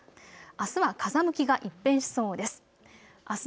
あすは風向きが一変しそうです。